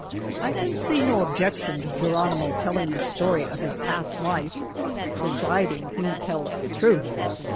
I can see no objection to Geronimo telling the story of his past life, providing he tells the truth.